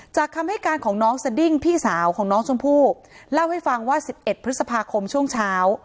คำให้การของน้องสดิ้งพี่สาวของน้องชมพู่เล่าให้ฟังว่า๑๑พฤษภาคมช่วงเช้า